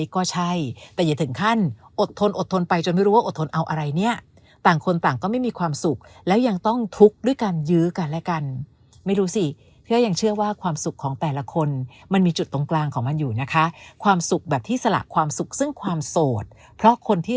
ค่ะความสุขแบบที่สละความสุขซึ่งความโสดเพราะคนที่